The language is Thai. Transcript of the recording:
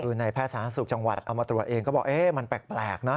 คือในแพทย์สาธารณสุขจังหวัดเอามาตรวจเองก็บอกมันแปลกนะ